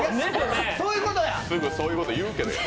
すぐそういうこと言うけど。